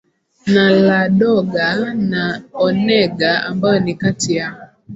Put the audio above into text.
na Ladoga na Onega ambayo ni kati ya